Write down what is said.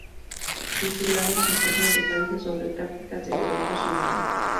Titulados "Informes de países sobre prácticas de derechos humanos".